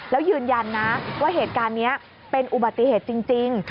แล้วยืนยันนะว่าเหตุการณ์นี้เป็นอุบัติเหตุจริง